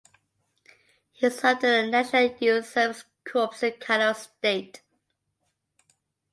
He served in the National Youth Service Corps in Kano State.